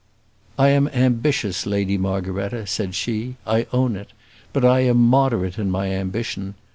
"I am ambitious, Lady Margaretta," said she. "I own it; but I am moderate in my ambition.